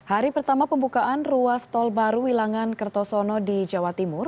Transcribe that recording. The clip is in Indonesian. hari pertama pembukaan ruas tol baru wilangan kertosono di jawa timur